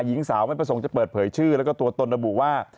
หญิงสาวไม่ประสงค์จะเปิดเผยชื่อแล้วก็ตัวตนระบุว่า